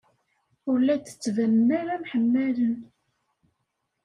Ur la d-ttbanen ara mḥemmalen.